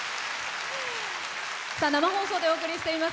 生放送でお送りしています